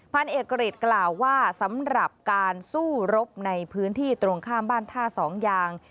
เอกริจกล่าวว่าสำหรับการสู้รบในพื้นที่ตรงข้ามบ้านท่าสองยาง